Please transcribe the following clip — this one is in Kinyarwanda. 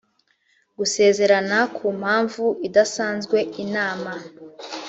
gusezerana ku mpamvu idasanzwe inama